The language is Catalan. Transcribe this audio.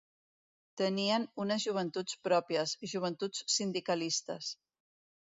Tenien unes joventuts pròpies, Joventuts Sindicalistes.